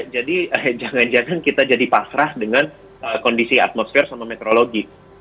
jadi jangan jangan kita jadi pasrah dengan kondisi atmosfer sama meteorologi